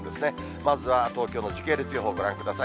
まずは東京の時系列予報、ご覧ください。